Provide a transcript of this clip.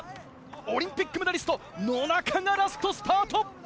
オリンピックメダリスト野中がラストスパート！